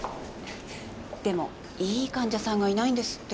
でもいい患者さんがいないんですって？